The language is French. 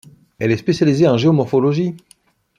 Elle est spécialisée en géomorphologie.